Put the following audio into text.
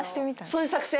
そういう作戦？